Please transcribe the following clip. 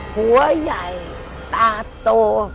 หัวใหญ่ตาโต